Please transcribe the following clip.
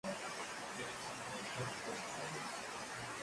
La cabeza no pertenece a esta estatua.